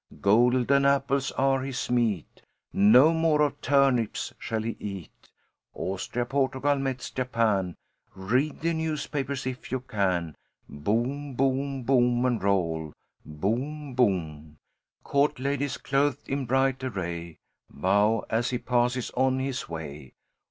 Golden apples are his meat, No more of turnips shall he eat. Austria, Portugal, Metz, Japan, Read the newspapers, if you can. Boom, boom, boom, and roll. Boom, boom. Court ladies clothed in bright array Bow as he passes on his way.